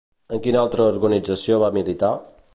En quina altra organització va militar?